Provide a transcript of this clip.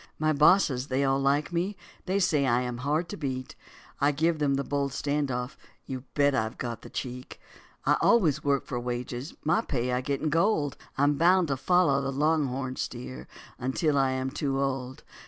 My bosses they all like me, they say I am hard to beat; I give them the bold standoff, you bet I have got the cheek. I always work for wages, my pay I get in gold; I am bound to follow the longhorn steer until I am too old.